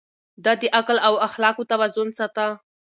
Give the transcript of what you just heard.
ده د عقل او اخلاقو توازن ساته.